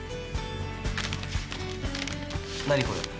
何これ。